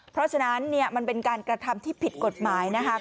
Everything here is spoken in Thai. เพราะฉะนั้นมันเป็นการกระทำที่ผิดกฎหมายนะคะ